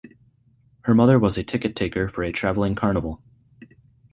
Her mother was a ticket taker for a traveling carnival.